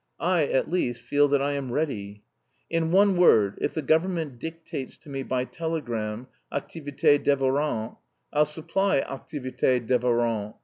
I, at least, feel that I am ready. In one word, if the government dictates to me by telegram, activité dévorante, I'll supply activité dévorante.